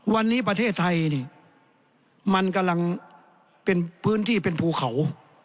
วันนี้ประเทศไทยนี่มันกำลังเป็นพื้นที่เป็นภูเขา